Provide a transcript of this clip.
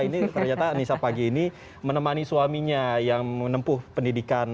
ini ternyata anissa pagi ini menemani suaminya yang menempuh pendidikan